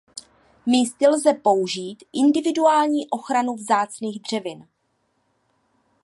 Místy lze použít individuální ochranu vzácných dřevin.